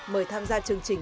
mời tham gia chương trình